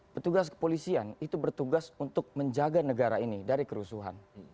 petugas kepolisian itu bertugas untuk menjaga negara ini dari kerusuhan